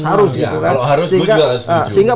harus gitu kan sehingga